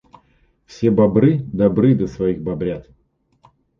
Все бобры добры до своих бобрят.